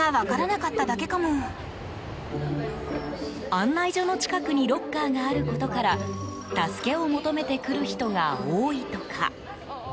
案内所の近くにロッカーがあることから助けを求めて来る人が多いとか。